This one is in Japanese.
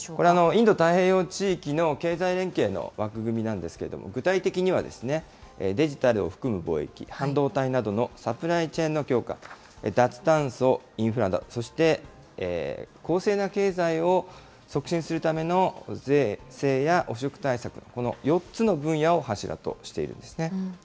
インド太平洋地域の経済連携の枠組みなんですけれども、具体的には、デジタルを含む貿易、半導体などのサプライチェーンの強化、脱炭素・インフラなど、そして、公正な経済を促進するための税制や汚職対策、この４つの分野を柱としているんですね。